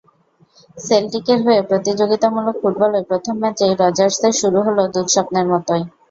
সেল্টিকের হয়ে প্রতিযোগিতামূলক ফুটবলে প্রথম ম্যাচেই রজার্সের শুরু হলো দুঃস্বপ্নের মতোই।